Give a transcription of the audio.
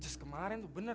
cus kemarin tuh bener